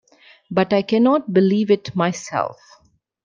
But I cannot believe it myself.